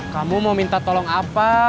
kamu mau minta tolong apa